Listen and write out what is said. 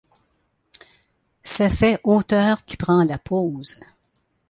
Ça fait auteur qui prend la pose.